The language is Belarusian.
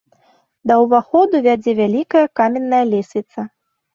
Да ўваходу вядзе вялікая каменная лесвіца.